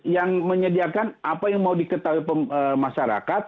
yang menyediakan apa yang mau diketahui masyarakat